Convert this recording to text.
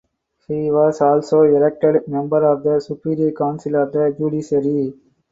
He was also elected member of the Superior Council of the judiciary.